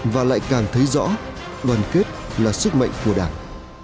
và lại càng thấy rõ đoàn kết là sức mạnh của đảng